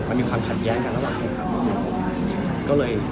มันมีความขัดแยกกันระหว่างคุมขัดขนาดอีก